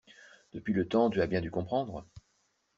Depuis le temps, tu as bien dû comprendre.